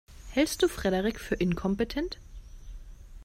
Hältst du Frederik für inkompetent?